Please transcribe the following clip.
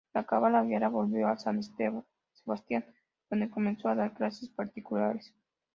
Al acabar la guerra volvió a San Sebastián, donde comenzó a dar clases particulares.